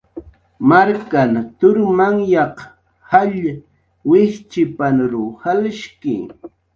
Marknhan turmanyaq jall wijchipanrw jalshki.